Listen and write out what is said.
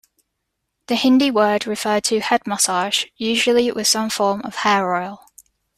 The Hindi word referred to head massage, usually with some form of hair oil.